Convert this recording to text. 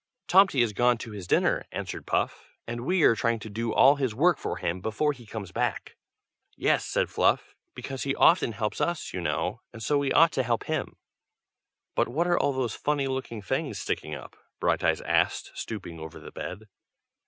"Tomty is gone to his dinner," answered Puff. "And we are trying to do all his work for him before he comes back." "Yes!" said Fluff, "because he often helps us, you know, and so we ought to help him." "But what are all those funny looking things sticking up?" Brighteyes asked, stooping over the bed.